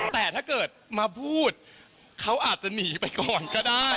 แต่ถ้าเกิดมาพูดเขาอาจจะหนีไปก่อนก็ได้